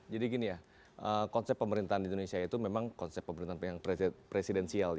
jadi gini ya konsep pemerintahan di indonesia itu memang konsep pemerintahan presidensial